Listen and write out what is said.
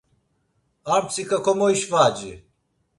Ar mtsika komoişvaci.